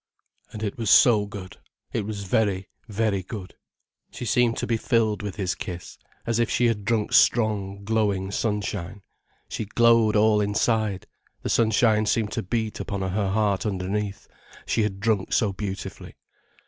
And it was so good, it was very, very good. She seemed to be filled with his kiss, filled as if she had drunk strong, glowing sunshine. She glowed all inside, the sunshine seemed to beat upon her heart underneath, she had drunk so beautifully.